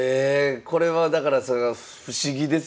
これはだから不思議ですよね。